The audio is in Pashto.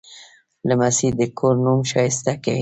لمسی د کور نوم ښایسته کوي.